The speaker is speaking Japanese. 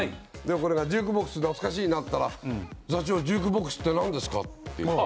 これが「ジュークボックス懐かしいな」っつったら「座長ジュークボックスってなんですか？」って言うのよ。